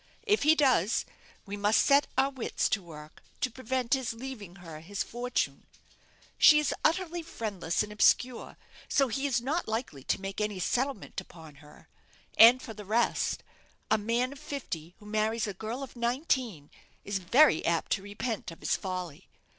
If he does, we must set our wits to work to prevent his leaving her his fortune. She is utterly friendless and obscure, so he is not likely to make any settlement upon her. And for the rest, a man of fifty who marries a girl of nineteen is very apt to repent of his folly.